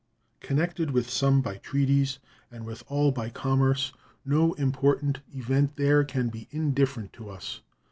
Connected with some by treaties and with all by commerce, no important event there can be indifferent to us.